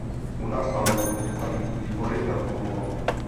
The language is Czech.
U nás v Parlamentu mají výbory velkou úlohu.